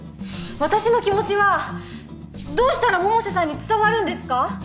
私の気持ちはどうしたら百瀬さんに伝わるんですか？